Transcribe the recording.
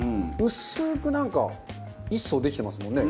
薄くなんか１層できてますもんね